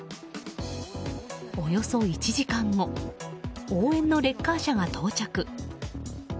およそ１時間後応援のレッカー車が到着。